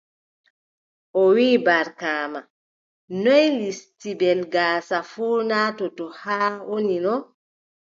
O wii, Barkaama, noy listibel gaasa fuu waatoto haa wonino?